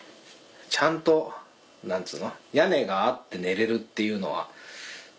ちゃんと屋根があって寝れるっていうのは。